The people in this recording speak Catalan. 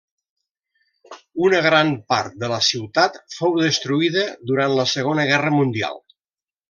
Una gran part de la ciutat fou destruïda durant la Segona Guerra Mundial.